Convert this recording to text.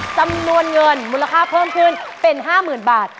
จำนวนเงินมูลค่าเพิ่มขึ้นเป็น๕๐๐๐บาท